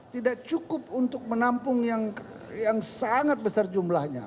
tidak cukup untuk menampung yang sangat besar jumlahnya